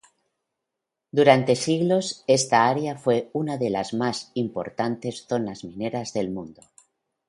Durante siglos esta área fue una de las más importantes zonas mineras del mundo.